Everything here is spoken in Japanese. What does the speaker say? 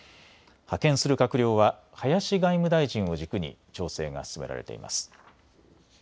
派遣する閣僚は林外務大臣を軸に調整が進められています。